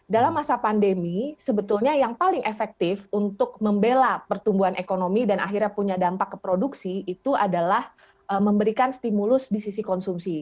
dalam masa pandemi sebetulnya yang paling efektif untuk membela pertumbuhan ekonomi dan akhirnya punya dampak ke produksi itu adalah memberikan stimulus di sisi konsumsi